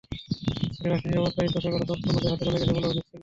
এতে রাষ্ট্রীয় নিরাপত্তার স্পর্শকাতর তথ্য অন্যদের হাতে চলে গেছে বলে অভিযোগ ছিল।